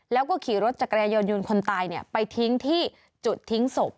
แล้วก็ขี่รถจักรยายนต์คนตายไปทิ้งที่จุดทิ้งศพ